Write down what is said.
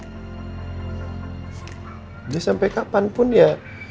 udah sampai kapanpun ya